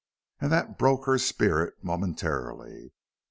And that broke her spirit momentarily.